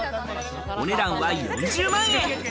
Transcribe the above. お値段は４０万円。